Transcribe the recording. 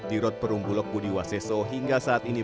dirot perumbulok budi waseso hingga saat ini